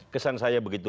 kesan saya begitu